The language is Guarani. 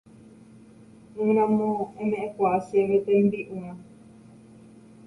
ỹramo eme'ẽkuaa chéve tembi'urã